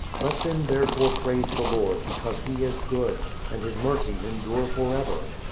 ... Let them therefore praise the Lord, because He is good, and His mercies endure forever.